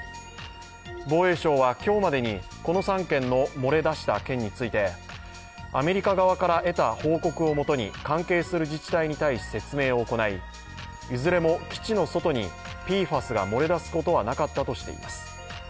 防衛省は今日までにこの３件の漏れ出した件について、アメリカ側から得た報告をもとに関係する自治体に対し説明を行いいずれも基地の外にＰＦＡＳが漏れ出すことはなかったとしています。